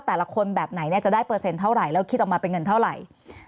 แต่ละคนแบบไหนจะได้เปอร์เซ็นเท่าไหร่แล้วคิดออกมาเป็นเงินเท่าไหร่